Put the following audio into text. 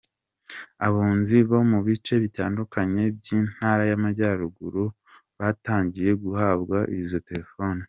Abunzi bo mu bice bitandukanye by’Intara y’Amajyaruguru batangiye guhabwa izo telefoni.